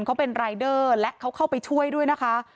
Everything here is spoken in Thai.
เขาเป็นรายเดอร์และเขาเข้าไปช่วยด้วยนะคะ